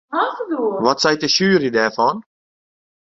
Wat seit de sjuery derfan?